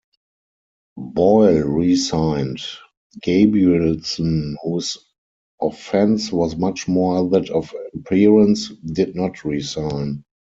Boyle resigned, Gabrielson, whose offense was much more that of appearance, did not resign.